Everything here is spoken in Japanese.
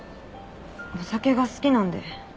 お酒が好きなんで。